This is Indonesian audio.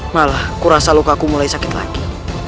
malah kurasa lukaku mulai sakit lagi